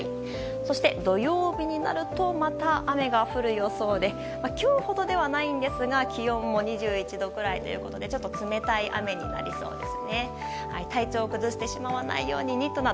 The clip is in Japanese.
そして、土曜日になるとまた雨が降る予想で今日ほどではないですが気温も２１度くらいでちょっと冷たい雨になりそうです。